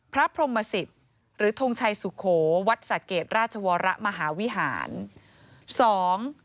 พระพรมศิษย์หรือทงชัยสุโขวัดสะเกดราชวรมหาวิหารสอง